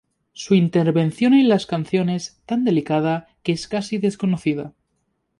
Su intervención en las canciones, tan delicada, que es casi desconocida.